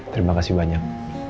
terima kasih banyak